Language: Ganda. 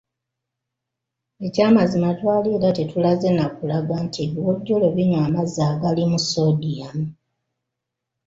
Ekyamazima twali era tetulaze na kulaga nti ebiwojjolo binywa amazzi agalimu sodium.